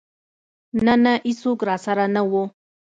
نه نه ايڅوک راسره نه و.